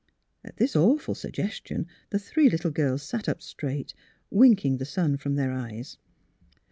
At this awful suggestion the three little girls sat up straight, winking the sun from their eyes.